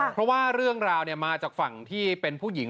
เพราะว่าเรื่องราวมาจากฝั่งที่เป็นผู้หญิง